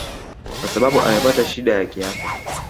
kwa sababu amepata shida ya kiafya